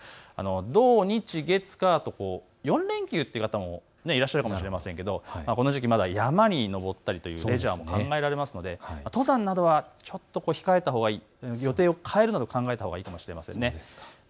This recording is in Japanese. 土、日、月、火と４連休という方もいらっしゃるかもしれませんけどこの時期、山に登ったりレジャーも考えられますので、登山は控えたほうがいい、予定を変えるなど考えたほうがいいかもしれません。